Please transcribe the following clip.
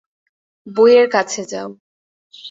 বইয়ের কাছে যাও।